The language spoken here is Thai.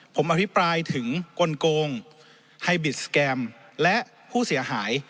ผมอภิปรายถึงกลงไฮบิสแกรมและผู้เสียหาย